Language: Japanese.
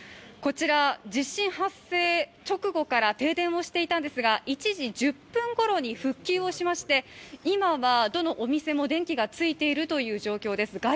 こちら地震発生直後から停電をしていたんですが、１時１０分ごろに復旧しまして今はどのお店も電気がついている状況です。